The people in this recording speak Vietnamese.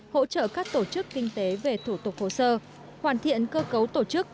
hỗ trợ các tổ chức kinh tế về thủ tục hồ sơ hoàn thiện cơ cấu tổ chức